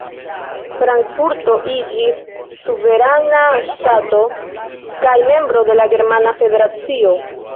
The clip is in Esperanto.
Frankfurto iĝis suverena ŝtato kaj membro de la Germana Federacio.